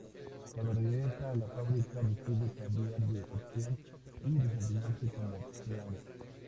Cuando regresa a la fábrica decide cambiar de sección y desempeñarse como peón.